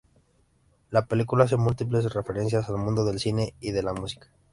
La película hace múltiples referencias al mundo del cine y de la música.